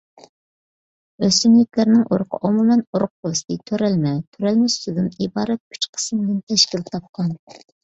ئۆسۈملۈكلەرنىڭ ئۇرۇقى ئومۇمەن ئۇرۇق پوستى، تۆرەلمە ۋە تۆرەلمە سۈتىدىن ئىبارەت ئۈچ قىسىمدىن تەشكىل تاپقان.